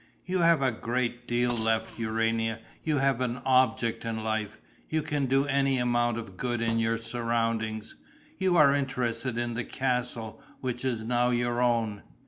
"You have a great deal left, Urania. You have an object in life; you can do any amount of good in your surroundings. You are interested in the castle, which is now your own."